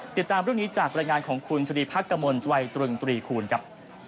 ติดตามเรื่องนี้จากบรรยายงานของคุณสรีพักกมลตวัยตรึงตรีคูณครับ